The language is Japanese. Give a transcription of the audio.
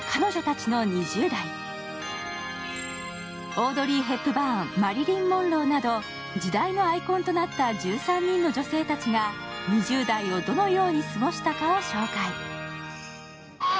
オードリー・ヘップバーン、マリリン・モンローなど時代のアイコンとなった１３人の女性たちが２０代をどのように過ごしたかを紹介。